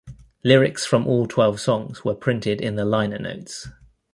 Lyrics from all twelve songs were printed in the liner notes.